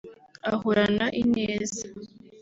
ahorana ineza